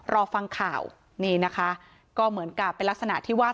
รอฟังข่าวนี่นะคะก็เหมือนกับเป็นลักษณะที่ว่า